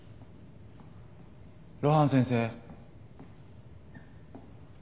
露伴先生。